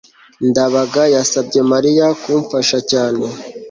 ndabaga yasabye mariya kumfasha cyane